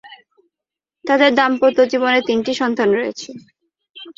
তাদের দাম্পত্য জীবনে তিনটি সন্তান রয়েছে।